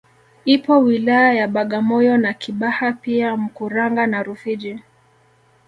Ipo wilaya ya Bagamoyo na Kibaha pia Mkuranga na Rufiji